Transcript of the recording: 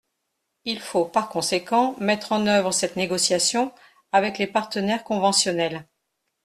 Il faut par conséquent mettre en œuvre cette négociation avec les partenaires conventionnels.